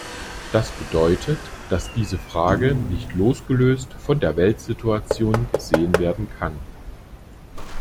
Das bedeutet, dass diese Frage nicht losgelöst von der Weltsituation gesehen werden kann.